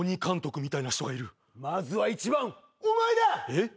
えっ？